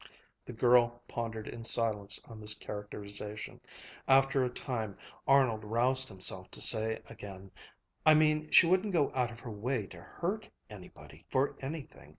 The girl pondered in silence on this characterization. After a time Arnold roused himself to say again: "I mean she wouldn't go out of her way to hurt anybody, for anything.